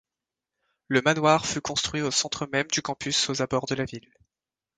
Le manoir fut construit au centre même du campus aux abords de la ville.